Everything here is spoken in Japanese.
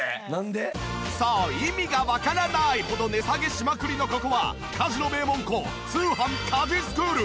そう意味がわからないほど値下げしまくりのここは家事の名門校通販☆家事スクール！